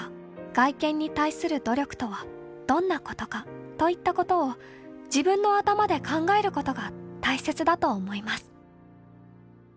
『外見に対する努力とはどんなことか』といったことを自分の頭で考えることが大切だと思います」。